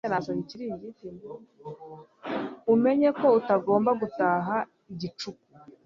umenye ko utagomba gutaha igicuku